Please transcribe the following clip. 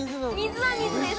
水は水です